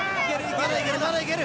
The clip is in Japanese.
まだいける！